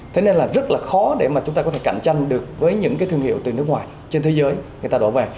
thế nên là rất là khó để mà chúng ta có thể cạnh tranh được với những cái thương hiệu từ nước ngoài trên thế giới người ta đổ về